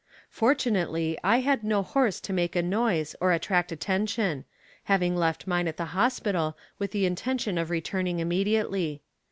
Fortunately I had no horse to make a noise or attract attention, having left mine at the hospital with the intention of returning immediately.